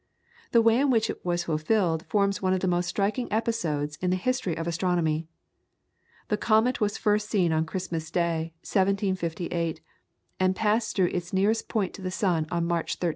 The way in which it was fulfilled forms one of the most striking episodes in the history of astronomy. The comet was first seen on Christmas Day, 1758, and passed through its nearest point to the sun on March 13th, 1759.